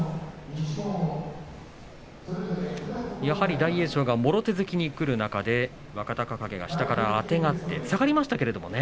やはり大栄翔が、もろ手突きにくる中で若隆景が下からあてがって下がりましたけれどもね。